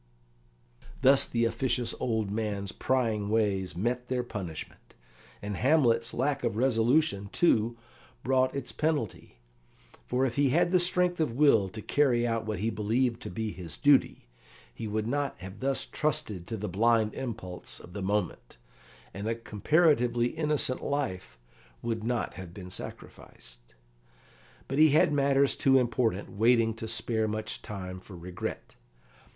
Thus the officious old man's prying ways met their punishment. And Hamlet's lack of resolution, too, brought its penalty; for if he had had strength of will to carry out what he believed to be his duty, he would not have thus trusted to the blind impulse of the moment, and a comparatively innocent life would not have been sacrificed. But he had matters too important waiting to spare much time for regret.